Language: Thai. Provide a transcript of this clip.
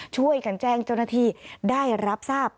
ช่วยกันแจ้งเจ้าหน้าที่ได้รับทราบ